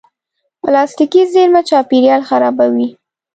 پلاستيکي زېرمه چاپېریال خرابوي.